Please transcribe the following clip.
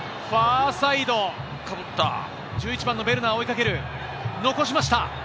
ファーサイド、１１番のベルナー追いかける、残しました。